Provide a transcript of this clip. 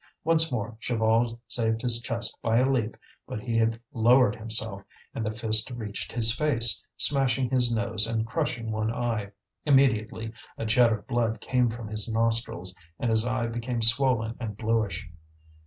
Once more Chaval saved his chest by a leap, but he had lowered himself, and the fist reached his face, smashing his nose and crushing one eye. Immediately a jet of blood came from his nostrils, and his eye became swollen and bluish.